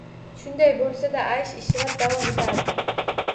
Shunday bo`lsada aysh-ishrat davom etardi